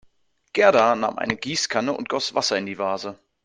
Gerda nahm eine Gießkanne und goss Wasser in die Vase.